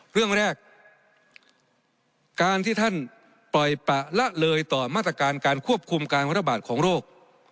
เรื่องแรกการที่ท่านปล่อยปะละเลยต่อมาตรการการควบคุมการระบาดของโรค